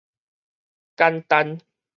蕳砃